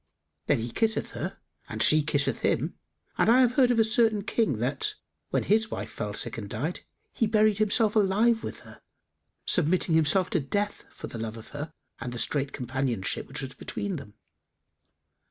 '[FN#287] Then he kisseth her and she kisseth him; and I have heard of a certain King that, when his wife fell sick and died, he buried himself alive with her, submitting himself to death, for the love of her and the strait companionship which was between them.